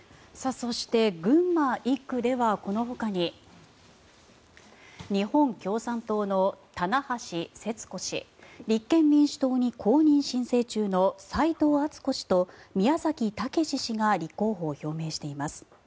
そして、群馬１区ではこのほかに日本共産党の店橋世津子氏立憲民主党に公認申請中の斉藤敦子氏と宮崎岳志氏が立候補を表明しています。